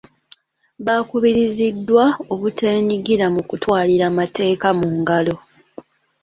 Baakubiriziddwa obuteenyigira mu kutwalira mateeka mu ngalo.